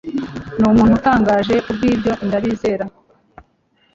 ni umuntu utangaje kubwibyo ndabizeza